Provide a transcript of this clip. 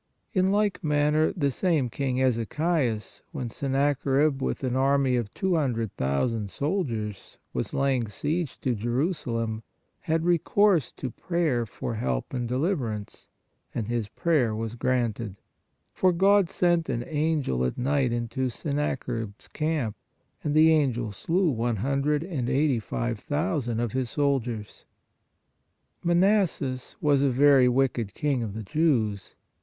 In like manner, the same King Ezechias, when Sennacherib with an army of two hundred thousand soldiers was laying siege to Jerusalem, had recourse to prayer for help and deliverance, and his prayer was granted, for God sent an angel at night into Sennacherib s camp, and the angel slew one hundred and eighty five thousand of his sol diers. Manasses was a very wicked king of the Jews.